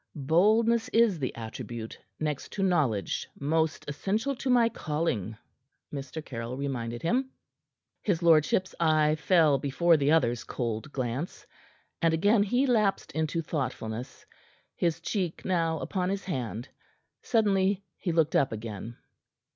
"Boldness is the attribute next to knowledge most essential to my calling," Mr. Caryll reminded him. His lordship's eye fell before the other's cold glance, and again he lapsed into thoughtfulness, his cheek now upon his hand. Suddenly he looked up again.